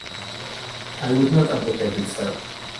I would not advocate it, sir.